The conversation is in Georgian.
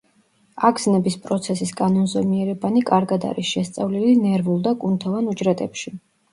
აგზნების პროცესის კანონზომიერებანი კარგად არის შესწავლილი ნერვულ და კუნთოვან უჯრედებში.